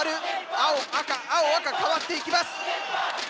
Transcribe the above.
青赤青赤変わっていきます。